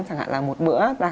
chẳng hạn là một bữa